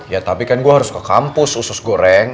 ya tapi kan gue harus ke kampus usus goreng